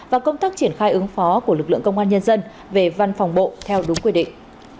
và công tác triển khai ứng phó của lực lượng công an nhân dân về văn phòng bộ theo đúng quy định